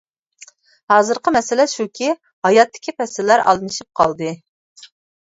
ھازىرقى مەسىلە شۇكى ھاياتتىكى پەسىللەر ئالمىشىپ قالدى.